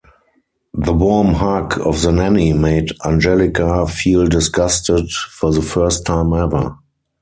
The warm hug of the nanny made Angelika feel disgusted for the first time ever.